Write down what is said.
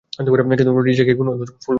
Ridge কি কোন অদ্ভুত ফোন কল পেতো?